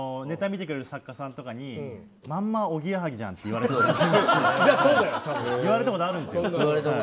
ネタ見てくれる作家さんとかにまんまおぎやはぎじゃんって言われたことあるんですよ。